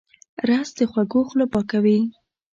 رس د خوږو خوله پاکوي